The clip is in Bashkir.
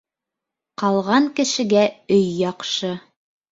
Ҡалған кешегә өй яҡшы.